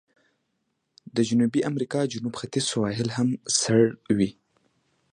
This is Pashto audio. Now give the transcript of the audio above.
د جنوبي امریکا جنوب ختیځ سواحل هم سړ وي.